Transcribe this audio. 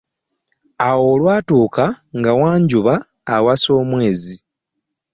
Awo olwatuuka nga Wanjuba awasa omwezi.